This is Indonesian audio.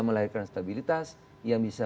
melahirkan stabilitas yang bisa